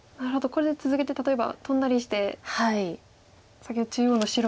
これで続けて例えばトンだりして先ほどの中央の白を。